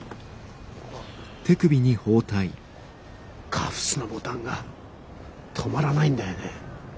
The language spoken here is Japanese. カフスのボタンが留まらないんだよね。